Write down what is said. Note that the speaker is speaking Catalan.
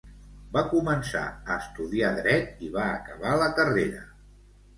Va començar a estudiar Dret i va acabar la carrera.